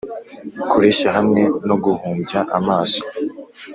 kureshya hamwe no guhumbya amaso